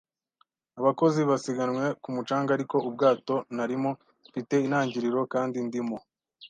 Abakozi basiganwe ku mucanga, ariko ubwato narimo, mfite intangiriro kandi ndimo